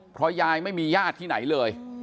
เพราะยายไม่มีญาติที่ไหนเลย